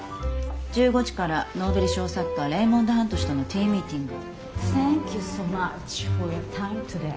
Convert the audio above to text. １５時からノーベル賞作家レイモンド・ハント氏とのティー・ミーティング。